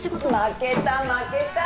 ・負けた負けた。